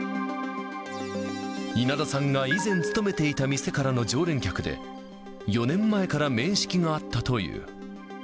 稲田さんが以前勤めていた店からの常連客で、４年前から面識があったという。